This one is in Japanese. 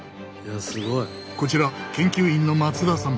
こちら研究員の松田さん。